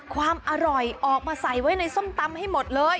ความอร่อยออกมาใส่ไว้ในส้มตำให้หมดเลย